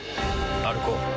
歩こう。